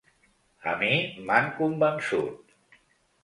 A mi m’han convençut.